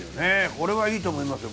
これはいいと思いますよ